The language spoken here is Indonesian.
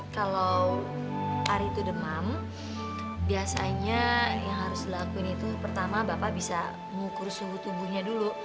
kalau ari itu demam biasanya yang harus dilakuin itu pertama bapak bisa mengukur suhu tubuhnya dulu